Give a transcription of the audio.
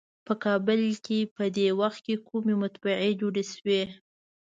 په کابل کې په دې وخت کومې مطبعې جوړې شوې.